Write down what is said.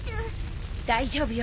大丈夫よ！